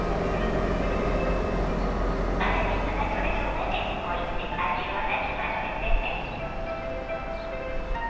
粗熱が取れるまでおいて味をなじませてね。